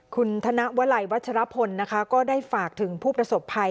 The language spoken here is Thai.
คุณธนวลัยวัชรพลนะคะก็ได้ฝากถึงผู้ประสบภัย